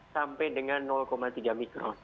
jadi ini memang membuat kita merasa bersemangat